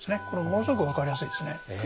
これものすごく分かりやすいですね。